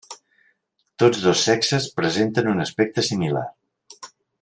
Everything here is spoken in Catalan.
Tots dos sexes presenten un aspecte similar.